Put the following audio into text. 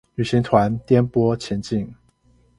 旅行團顛簸前進